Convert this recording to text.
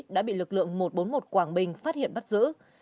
đã bị lực lượng một trăm bốn mươi một qb phát hiện bắt giữ